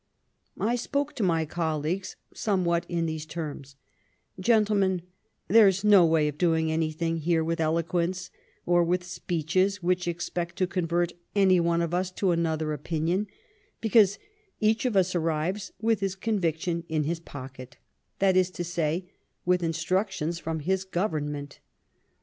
" I spoke to my colleagues somewhat in these terms : 'Gentlemen, there's no way of doing anything here with eloquence, or with speeches which expect to convert any one of us to another opinion, because each of us arrives with his conviction in his pocket, that is to say, with instructions from his Govern 103 Bismarck ment.